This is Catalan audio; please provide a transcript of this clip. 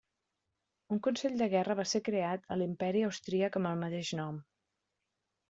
Un consell de guerra va ser creat a l'Imperi austríac amb el mateix nom.